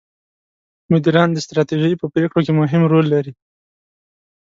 مدیران د ستراتیژۍ په پرېکړو کې مهم رول لري.